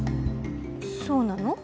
そうなの？